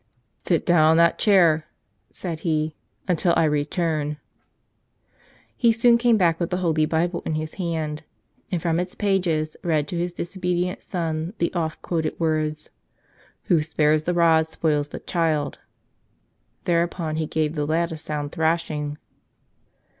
"Sit down on that chair," said he, "until I return." He soon came back with the Holy Bible in his hand and from its pages read to his disobedient son the oft quoted words, "Who spares the rod spoils the child." Thereupon he gave the lad a sound thrashing.